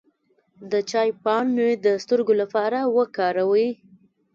د چای پاڼې د سترګو لپاره وکاروئ